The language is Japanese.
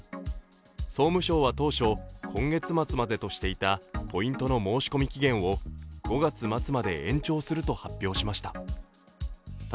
総務省は当初、今月末までとしていたポイントの申込期限を５月末まで延長すると発表しました。